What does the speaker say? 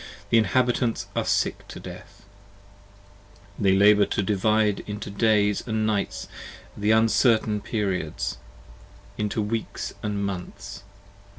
The inhabitants are sick to death: they labour to divide into Days And Nights, the uncertain Periods: and into Weeks & Months.